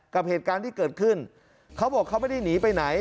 กับเหตุการณ์ที่เกิดขึ้นเขาบอกเขาไม่ได้หนีไปไหน